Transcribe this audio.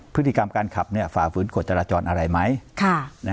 พฤติกรรมการขับเนี่ยฝ่าฝืนกฎจรรย์อะไรไหมค่ะ